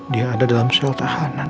dia ada dalam soal tahanan